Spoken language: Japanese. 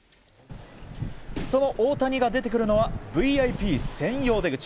その大谷が出てくるのはＶＩＰ専用出口。